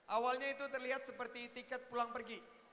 awalnya itu terlihat seperti tiket pulang pergi